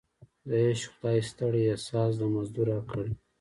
د عشق خدای ستړی احساس د مزدور راکړی